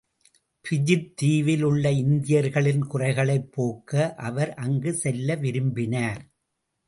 பிஜித் தீவில் உள்ள இந்தியர்களின் குறைகளைப் போக்க அவர் அங்கு செல்ல விரும்பினார்.